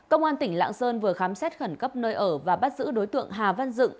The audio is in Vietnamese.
công an tỉnh lạng sơn vừa khám xét khẩn cấp nơi ở và bắt giữ đối tượng hà văn dựng